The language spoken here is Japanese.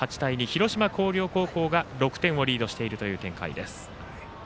広島、広陵高校が、６点をリードしているという展開です。